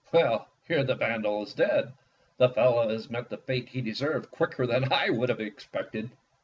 "Well, here the vandal is dead. The fellow has met the fate he deserved quicker than I would have ex pected."